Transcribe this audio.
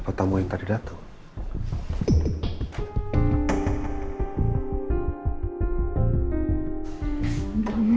apa tamu yang tadi dateng